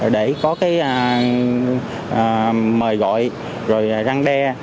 để có mời gọi răng đe